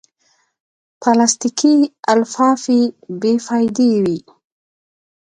پلاستيکي لفافې بېفایدې وي.